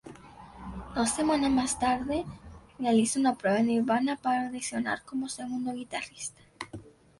Dos semanas más tarde, realiza una prueba en Nirvana para audicionar como segundo guitarrista.